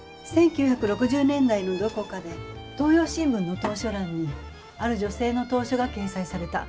１９６０年代のどこかで東洋新聞の投書欄にある女性の投書が掲載された。